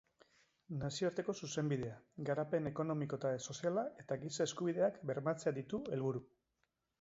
Nazioarteko zuzenbidea, garapen ekonomiko eta soziala eta giza eskubideak bermatzea ditu helburu.